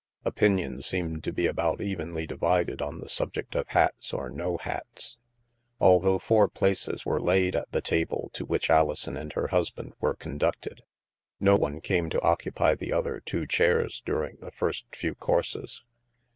Opinion seemed to be about evenly divided on the subject of hats or no hats. Although four places were laid at the table to which Alison and her husband were conducted, no one came to occupy the other two chairs during the first few courses.